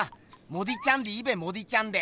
モディちゃんでいいべモディちゃんで。